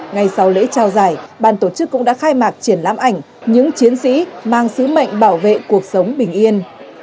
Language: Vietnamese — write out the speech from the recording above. ngay sau lễ trao giải bàn tổ chức cũng đã khai mạc triển lãm ảnh những chiến sĩ mang sứ mệnh bảo vệ cuộc sống bình yên